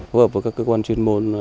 hợp với các cơ quan chuyên môn